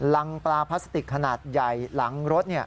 ลังปลาพลาสติกขนาดใหญ่หลังรถ